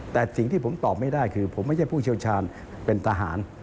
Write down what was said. แต่สิ่งที่ผมตอบไม่ได้คือผมไม่ใช่ผู้เชี่ยวชาญเป็นทหาร